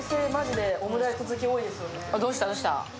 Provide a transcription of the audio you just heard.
どうしたどうした？